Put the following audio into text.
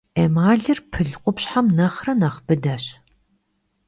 Эмалыр пыл къупщхьэм нэхърэ нэхъ быдэщ.